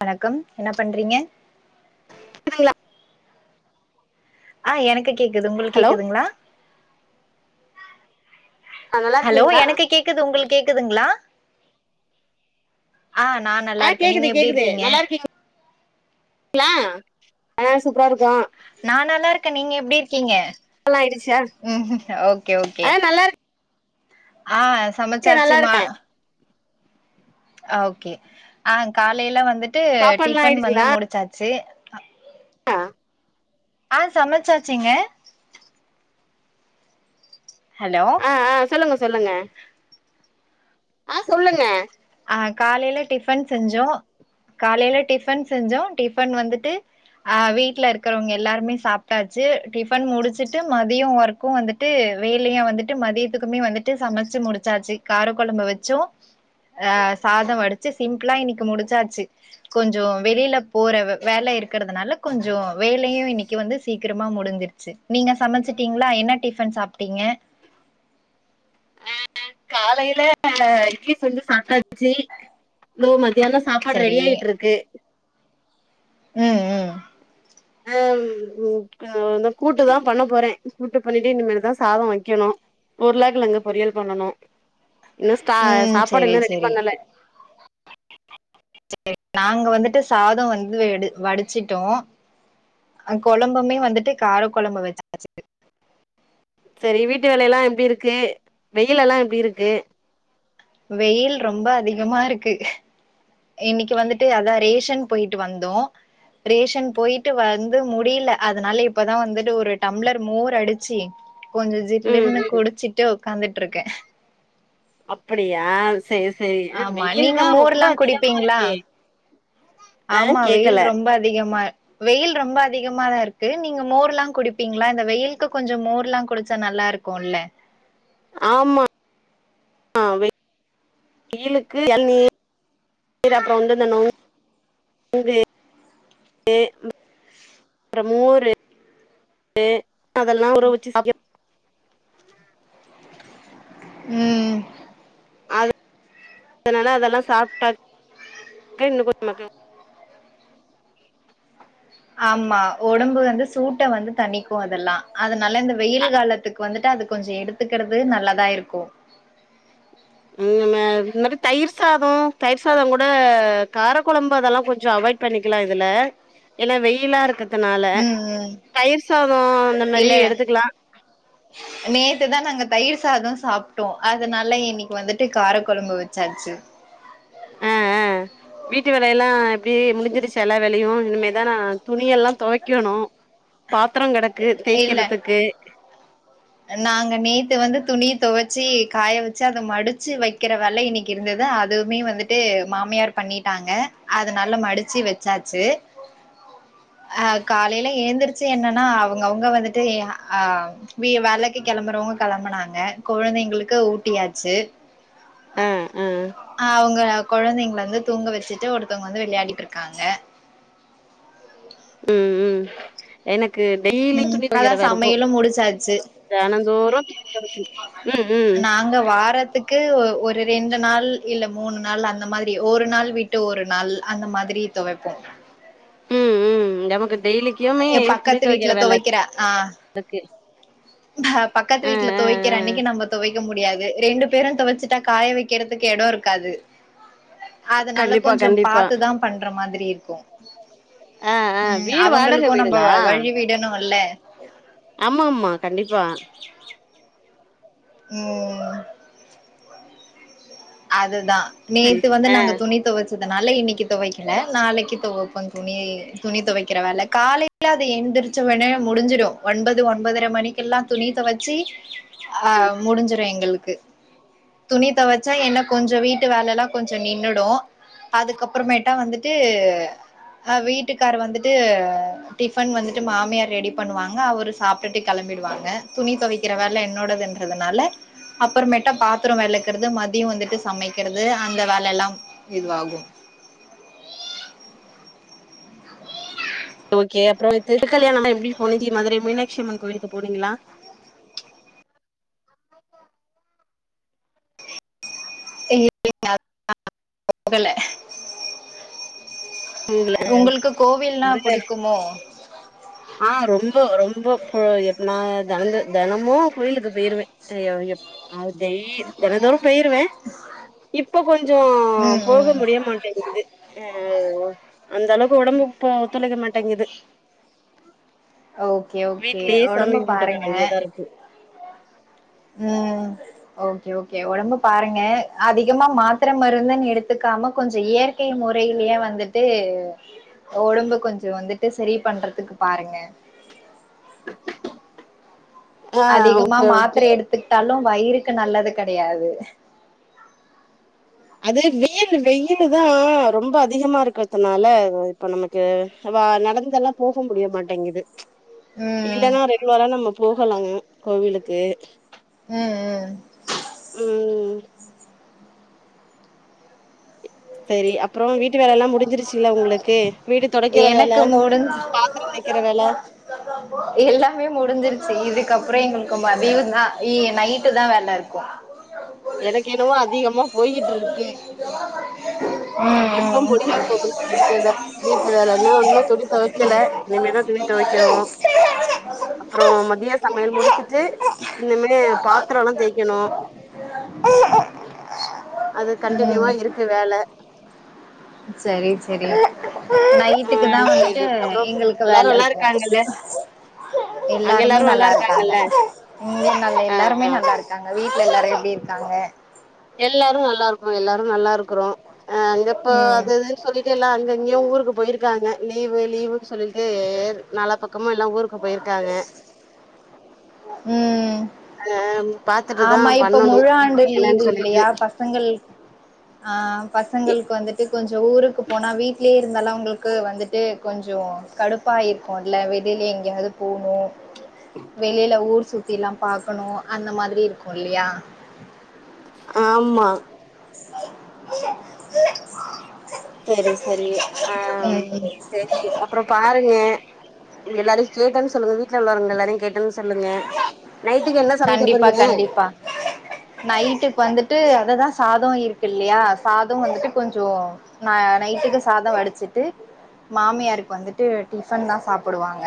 வணக்கம் என்ன பண்றிங்க சரிங்ளா ஆ எனக்கு கேக்குது உங்களுக்கு ஹலோ கேக்குதுங்ளா ஆ நல்லா ஹலோ இருக்கீங்களா எனக்கு கேக்குது உங்ளுக் கேக்குதுங்ளா நா நல்லா ஆஹ் இருக்கே நீங்க கேக்குது எப்டி கேக்குது இருக்கீங்க நல்லா இருக்கீங் ஆஹ் சூப்ரா இருக்கோ நா நல்லாருக்க நீங்க எப்டி இருக்கீங்க நல்லாயிடுச்சா ம் ஓகே ஓகே ஆ நல்லா இருக்கு ஆ சமச்சாச்சு மா ஆ ஓகே ஆ காலைல வந்துட்டு சாப்பாடுல்லா டிஃபன் வந்து முடுச்சாச்சு ஆ ஆ சமச்சாச்சுங்க ஹலோ ஆ ஆ சொல்லுங்க சொல்லுங்க ஆ சொல்லுங்ங ஆ காலைல டிஃபன் செஞ்சோ காலையில டிஃபன் செஞ்சோம் டிஃபன் வந்துட்டு ஆ வீட்ல இருக்றவங்க எல்லாருமே சாப்டாச்சு டிஃபன் முடுச்சுட்டு மதியம் ஒர்க்கும் வந்துட்டு வேலையு வந்துட்டு மதியத்துக்குமே வந்துட்டு சமச்சு முடுச்சாச்சு கார கொழம்பு வச்சோ ஆ சாதம் வடுச்சு சிம்ப்ளா இன்னிக்கு முடுசாச்சு கொஞ்சோ வெளில போற வே வேல இருக்றதுனால கொஞ்சோ வேலையு இன்னிக்கு வந்து சீக்ரமா முடுஞ் தெர்ஞ்ச் நீங்க சமச்சுட்டீங்ளா என்ன டிஃபன் சாப்டீங்க காலையில ஆ இட்லி செஞ்சு சாப்டாச்சி [unintelligible] மத்தியானம் சாப்பாடு சரி ரெடி ஆயிட்ருகு ம் ம் ஆஹ்ம் கூ அ ந்த கூட்டு தா பண்ண போறே கூட்டு பண்ணிட்டு இனிமேல்தா சாதோ வைக்கணு உருளகெழங்கு பொறியல் பண்ணணு இன்னு சா ம் சாப்பாடு செரி இன்னு ரெடி பண்ணல சரி நாங்க வந்துட்டு சாதோ வந்து வெடு வடுச்சுட்டோம் கொழம்புமே வந்துட்டு கார கொழம்பு வச்சச்சு செரி வீட்டு வேலைலா எப்டி இருக்கு வெயில்லலா எப்டி இருக்கு வெயில் ரொம்ப அதிகமா இருக்கு இன்னைக்கு வந்துட்டு அதான் ரேஷன் போயிட்டு வந்தோம் ரேஷன் போயிட்டு வந்து முடியல அதனால இப்பதான் வந்துட்டு ஒரு டம்ளர் மோர் அடிச்சி கொஞ்சம் ம் ஜில்லுனு குடிச்சுட்டு உக்காந்துட்டு இருக்கேன் அப்படியா செரி செரி ஆமா வெயில் நீங்க தான் ரொம்ப மோர்ல்லா அதிகமா குடிப்பீங்களா இருக்கே ஆ ஆமா வெயில் கேக்கல ரொம்ப அதிகமா வெயில் ரொம்ப அதிகமாதான் இருக்கு நீங்க மோர்லாம் குடிப்பீங்களா இந்த வெயிலுக்கு கொஞ்சம் மோர்லாம் குடு சோ நல்லா இருக்குல்ல ஆ வே வெயிலுக்கு எளநீர் அப்பறோ வந்து இந்த நொங்கு நுங்கு கு அப்பறம் மோரு ரு அதெல்லா உற வச்சு சாப் எப் அம்மா உம் ம் அதனால அதெல்லா சாப்பிட்டாக் கு இன்னு கொஞ்சோ மக்க ஆம்மா ஒடம்பு வந்து சூட்ட வந்து தனிக்கு அதெல்லா அதனால இந்த வெயில் காலத்துக்கு வந்துட்டு அது கொஞ்சோ எடுத்துக்குறது நல்லதா இருக்கும் உண்ணுமே இந்த மாரி தயிர் சாதோ தயிர் சாதோ கூட கார கொழம்பு அதெல்லா கொஞ்சம் அவாய்ட் பண்ணிக்கலா இதுல ஏன்னா வெயிலா இருக்க கனால ம், ம். தயிர் சாதோ அந்த மாரி இல்ல எடுத்துக்கலா சாதோ சாப்டோ அதுனால இன்னைக்கி வந்துட்டு கார கொழம்பு வச்சாச்சு ஆ ஆ வீட்டு வேலையெல்லா அப்டி முடிஞ்சிருச்சா எல்லா வேலையு இனிமேதா நா துணியெல்லா தொவைக்கணு பாத்ரோ கெடக் க்கு இல்ல தேய்கிறதுக்கு நாங்க நேத்து வந்து துணிய தொவச்சி காய வச்சு அத மடிச்சு வைக்கிற வேல இன்னைக்கி இருந்தது அதுவுமே வந்துட்டு மாமியார் பண்ணிட்டாங்க அது நல்லா மடிச்சு வெச்சாச்சு அ காலையில ஏந்துருச்சு என்னன்னா அவுங்கவுங்க வந்துட்டு எ ஆ வி வேலைக்கி கெளம்புறவங்க கெளம்புனாங்க குழந்தைங்களுக்கு ஊட்டியாச்சு ஆ ஆ ஆ அவுங்க கொழந்தைங்கள வந்து தூங்க வச்சுட்டு ஒருத்தொவுங்க வந்து விளையாடிட்டு இருக்காங்க உம் உம் எனக் கு டெய்லியு ம் துணி அதா துவைக்கிற வேல ரொம்போ சமையலு முடிச்சாச்சு தெனந்தோறு ம் ம் [unintelligible] நாங்க வாரத்துக்கு ஒ ஒரு ரெண்டு நாள் இல்ல மூணு நாள் அந்த மாதிரி ஒரு நாள் விட்டு ஒரு நாள் அந்த மாதிரி தொவப்போ ம் ம் நமக்கு டெய்லி ஏ பக்கத்து வீட்ல தொவைக்கிற ஆஹ் நா பக்கத்து ஆ வீட்ல ஆ தொவைக்கிற ஆ அன்னைக்கி நம்ம தொவைக்க முடியாது ரெண்டு பேரு தொவச்சுட்டா காய வைக்கிறதுக்கு எடோ இருக்காது அதுனால கண்டிப்பா கொஞ்சோ கண்டிப்பா பாத்துதா பண்ற மாதிரி இருக் ருக்கும் ஆ ஆ உம் வீடு வாடக அவுங்களுக்கு நம்ம வழி விடணூல்ல ஆமாம்மா கண்டிப்பா உம் ம் அதுதா சரி நேத்து வந்து ஆ நாங்க துணி தொவச் அதனால இன்னைக்கி தொவைக்கல நாளைக்கு தொவப்பங் துணி துணி தொவைக்கிற வேல காலையில அது எழுந்திரிச்ச வெனே முடிஞ்சுறு ஒன்பது ஒன்பதரை மணிக்கெல்லா துணி தொவச்சி அ ஞ்சுறு எங்களுக்கு துணி தொதவச்சா என்னப் கொஞ்சோ வீட்டு வேல எல்லா கொஞ்சோ நின்னுடு அதுக்கப்பறமேட்டா வந்துட்டு ஹ வீட்டுக்கார் வந்துட்டு டிஃபன் வந்துட்டு மாமியார் ரெடி பண்ணுவாங்க அவரு சாப்பிட்டுட்டு கெளம்பிடுவாங்க துணி தொவைக்கிற வேல என்னோடது இதனால அப்பறமேட்டா பாத்தரோ வெளக்குறது மதிய வந்துட்டு சமைக்கிறது அந்த வேல எல்லாம் இதுவாகும் ஓகே அப்றோ இது திருக்கல்யாண நம்ம எப்டி [unintelligible] மதுரை மீனாட்சியம்மன் கோயிலுக்கு போனீங்களா இ [inaudible] போகல போகல உங்ளுக்கு கோவில்னா புடிக்குமோ ஆஹ் ரொம்பொ ரொம்பொ எப்பனா தங் தெனமு கொயிலுக்கு பெய்யிருவே டெய் தினதோறு பெய்யிருவே இப்ப கொஞ்சோ ம் போக ம் முடிய மாட்டேங்குது அஹ் அந்த அளவுக்கு உடம்பு இப்ப ஒத்துழைக்க மாட்டேங்குது ஓகே ஓகே வீட்லயே சாமி உடம்ப கும்பிட்டுக்க பாருங்க வேண்டியதா இருக்கு உம் ஓகே ஓகே உடம்ப பாருங்க அதிகமா மாத்ர மருந்துன் எடுத்துக்காம கொஞ்ச இயற்கை முறையிலயே வந்துட்டு உடம்ப கொஞ்ச வந்துட்டு செரி பண்றதுக்கு பாருங்க ஆ அதிகமா ஓகே மாத்திர ஓகே எடுத்துக்டாலு வயிருக்கு நல்லது கெடையாது அது வெயில் வெயில் தான் ரொம்ப அதிகமா இருக்றதுனால இப்போ நமக்கு நடந்தெல்லா போக முடியமாட்டேங்குது ப்ளீச் ம் இல்லன்னா ரெகுலரா நம்ம போகலா கோவிலுக் க்கு உம் உம் உம் செரி அப் அப்ரொ வீட்டு வேலல்லா முடிஞ்சிருச்சுல்ல உங்ளுக்கு வீடு தொடைக்கற எனக்கு வேல முடிஞ் பாத்ரோ தேக்கிற வேல இதுக்கப்ற எங்களுக்கு மதிய தா இல்ல நைட்டு தான் வேல இருக்கு எனக்கு என்னவோ அதிகமா போய் இருக்கு ம் எப்ப ம் முடிய போதுனு தெரியல வீட்டு வேல இன்னு ஒன்னு துணி தொவைக்கல இனிமேதா துணி தொவைக்கணு அப்ரோ மதிய சமையல் முடிச்சுட்டு இனிமே பாத்ரோலா தேய்க்கணு ஹம் அது கண்டின்யுவா இருக்கு வேல செரி சேரி ஆ நைட்டுக்கு தா வந்துட்டு சரி அப்புறோ எங்களுக்கு எல்லாரு வேல நல்லா இருக்கு இருக்காங்கல்ல அங்க எல்லாருமே எல்லாரு நல்லா இருக்காங்க இருக்காங்கல்ல உம் நல்ல ஆ எல்லாருமே ஆ நல்லா இருக்காங்க வீட்ல எல்லாரு எப்டி இருக்காங்க எல்லாரு நல்லாருக்கோ எல்லாரு நல்லா இருக்குறோ அஹ் அங்க இப்ப ம் அது இதுன்னு சொல்லிட்டு எல்லா அங்க இங்கயு ஊருக்கு போயிருக்காங்க லீவு லீவுன் சொல்லிட்டு நாலா பக்கமா எல்லா ஊருக்குப் போயிருக்காங்க ம் ஆம் ஆமா இப்ப முழாண்டு லீவு இருக் சொல்லிட்டு இல்லயா பசங்கள்க் ஆஹ் பசங்களுக்கு வந்துட்டு கொஞ்ச ஊருக்கு போனா வீட்லே இருந்தாலு அவங்களுக்கு வந்துட்டு கொஞ்ச கடுப்பா இருக்குல வெளில எங்கயாது போணு வெளில ஊர் சுத் த்திலா பாக்கணு அந்த மாதிரி இருக்கு இல்லயா ஆமா செரி செரி ஆஹ்ம் ம் செரி அப்றோ பாருங்க எல்லாரையு கேட்டன் சொல்லுங்க வீட் ட்ல உள்ளவங்க எல்லாரையு கேட்டன் சொல்லுங்க நைட்டுக்கு என்ன சமைக்க கண்டிப்பா போறீங்க கண்டிப்பா நைட்டுக் வந்துட்டு அதுதா சாத இருக்கு இல்லயா சாத வந்துட்டு கொஞ்ச நா நைட்டுக்கு சாத வடிச்சிட்டு மாமியாருக்கு வந்துட்டு டிஃபன் தா சாப்டுவாங்க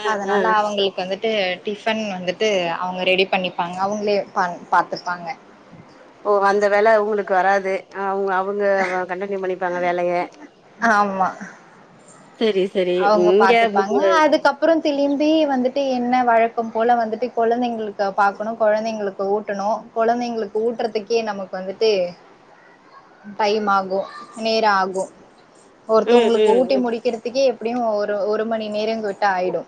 ஆ ஆ அதனால அவங்களுக்கு வந்துட் டு டிஃபன் வந்துட் டு அவங்க ரெடி பண்ணிப்பாங்க அவங்ளே பண் பாத்துப்பாங்க ஓ அந்த வேல உங்களுக்கு வராது அவங் அவங் அவ்ங்க கண்டனியு பண்ணிருக்காங்க வேலய ஆம்மா செரி செரி அவ்ங்க இங்க பாத்துப்பாங்க அதுக்கப்ற திளிம்பி வந்துட் ட்டு என்ன வழக்கம் போல வந்துட்டு கொழந்தைங்களுக்கு பாக்கணு கொழந்தைங்களுக்கு ஊட்டணு கொழந்தைங்களுக்கு ஊட்றத்துக்கே நமக்கு வந்துட்டு டைம் ஆகு நேர ஆகு ம் ம் ஒருத்தவ்ங்களுக்கு ம் ஊட்டி முடிக்கிறத்துக்கே எப்டியு ஒரு ஒரு மணி நேரங் விட்டா ஆய்டு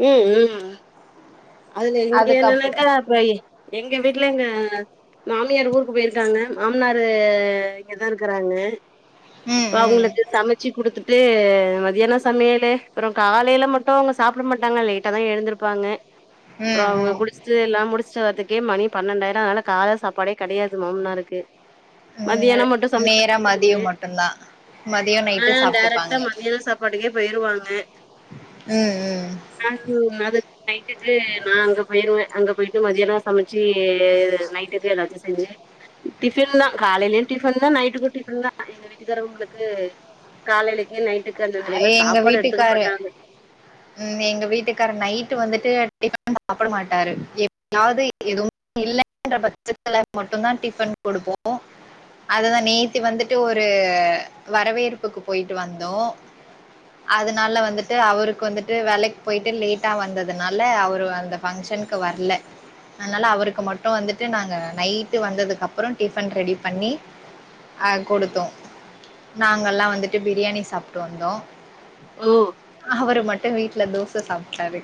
உம் உம் உம் அதுல இங்க அதுக்கப்றோ என்னன்னாக்கா பை எங்க வீட்ல எங்க மாமியார் ஊருக்கு போயிருக்காங்க மாம்னாருஹ் இங்கதா இருக்கறாங்க. ம் ப்ப ம் அவுங்ளுக்கு சமைச்சு குடுத். துடு மதியானம் சமையலே அப்றம் காலைல மட்டும் அவுங்க சாப். ப்ட மாட்டாங்க லேட்டா தான் எழுந்துருப்பாங்க. அப்றம் ம் அவுங்க ம் குடிச்டு எல்லாம் முடிச்டு வர்துக். கே மணி பன்னண்டாயிரும் அதனால கால சாப்பாடே கெடையாது மாம்னாருக்கு. ஹும் நேரா மதியம் மட்டுந்தான் மதியம் நைட்டு சாப்ட்டுப்பாங்க. போய்ருவாங்க. ம். ம் ஆ அது நைட்டுக்கு நா அங்க போயிருவே அங்க போயிட்டு மதியானோ சமைச்சி நைட்டுக்கு எதாச்சு செஞ்சு டிபன் தா காலேலயு டிபன் தா நைட்டுக்கு டிபன் தா எங்க வீட்டுக்காரவங்களுக்கு காலைலேக்கு நைட்டுக் காது அந்த மாரி எல்லா எங்க சாப்பாடு எடுத்துக்க வீட்டுக்காரு மாட்டாங்க ம் எங்க வீட்டுக்காரர் நைட்டு வந்துட்டு டிபன் சாப்ட மாட்டாரு எதாவது எதுவு இல்லன்ற பட்சத்துல மட்டுதா டிபன் கொடுப்போ அததா நேத்தி வந்துட்டு ஒரு வரவேற்புக்கு போயிட்டு வந்தோ அதனால வந்துட்டு அவருக்கு வந்துட்டு வேலக்கி போயிட்டு லேட்டா வந்ததுனால அவரு அந்த ஃபங்க்ஷனுக்கு வரல அதனால அவருக்கு மட்டு வந்துட்டு நாங்க நைட்டு வந்ததுக்கு அப்றோ டிஃபன் ரெடி பண்ணி ஆ கொடுத்தோ நாங்கல்லா வந்துட்டு பிரியாணி சாப் ட்டு வந்தோ ஓ அவரு மட் டு வீட்ல தோச சாப்ட்டாரு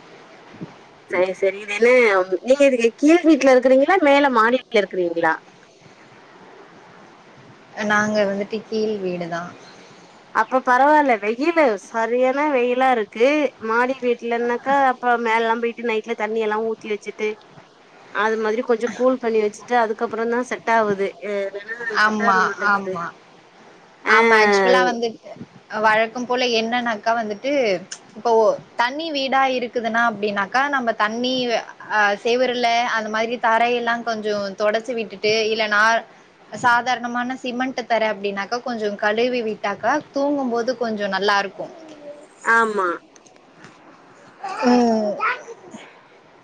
சேரி சேரி இதென்ன மு நீங்க இதுக்கு கீழ் வீட்ல இருக்குறீங்களா மேல மாடி வீட்ல இருக்குறீங்களா நாங்க வந்துட்டு கீழ் வீடுதா அப்ப பரவால்ல வெயிலு சரியான வெயிலா இருக்கு மாடி வீட்லனாக்க அப்ப மேலல்லா போய் டு நைட்ல தண்ணி எல்லா ஊத்தி வச்சிட்டு அது மாதிரி கொஞ்ச கூல் பண்ணி வச்சிட்டு அதுக் கப்பறோ தா செட் ஆவுது இல்லன்னா செட் ஆக ஆமா மாட்டேங்குது ஆமா ஆ ஆமா ஆக்சுவலா வந் வழக்கம் போல என்னன்னாக்கா வந்துட்டு இப்போ தண்ணி வீடா இருக்குதுன்னா அப்டின்னாக்கா நம்ம தண்ணி ஆ செவுருல அந்த மாதிரி தரைய எல்லா கொஞ்சம் தொடச்சி விட்டுட்டு இல்ல நா சாதாரணமான சிமெண்ட் தர அப்படின்னாக்கா கொஞ்சோ கழுவி விட்டாக்கா தூங்கும் போது கொஞ்சோ நல்லாருக்கு ஆமா ம்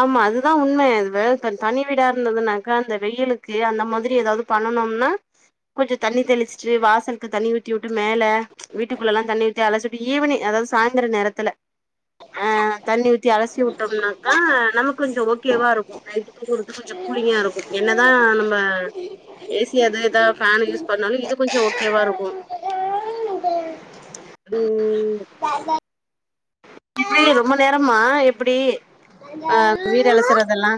ஆமா அதுதா உண்ம அது வே தனி வீடா இருந்ததுனாக்கா அந்த வெயிலுக்கு அந்த மாதிரி ஏதாவது பண்ணுனோம்னா கொஞ்ச தண்ணி தெளிச்சிட்டு வாசலுக்கு தண்ணி ஊத்தி விட்டு மேல வீட்டுக்குள்ளல்லா தண்ணி ஊத்தி அலசீட்டு ஈவினிங் அதாவது சாயிந்தர நேரத்துல ஆ தண்ணி ஊத்தி அலசி உட்டோம்னாக் ஆ நமக்கு கொஞ்ச ஓகேவா இருக்கும் நைட் தூங்கறதுக்கு கொஞ்சம் கூலிங்கா இருக்கும் என்னதா நம்ம ஏ சி அது இதா ஃபேன் யூஸ் பண்ணாலு இது கொஞ்சம் ஓக் க்கேவா இருக்கு ம் ம் எப்புடி ரொம்ப நேரமா எப்புடி ஆ வீடு ம் அலசுறதெல்லா